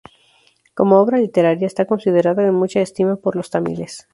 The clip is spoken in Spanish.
Como obra literaria, está considerada en mucha estima por los tamiles.